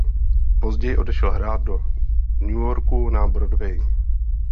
Později odešel hrát do New Yorku na Broadway.